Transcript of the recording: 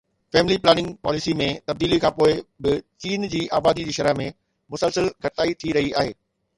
family planning policy ۾ تبديلي کان پوءِ به چين جي آبادي جي شرح ۾ مسلسل گهٽتائي ٿي رهي آهي